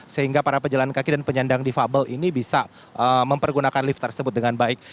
sehingga para pejalan kaki dan penyandang difabel ini bisa mempergunakan lift tersebut dengan baik